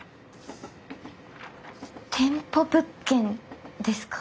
店舗物件ですか。